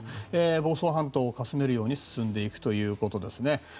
房総半島をかすめるように進んでいくということですね。